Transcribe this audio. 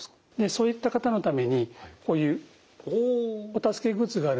そういった方のためにこういうお助けグッズがあるんです。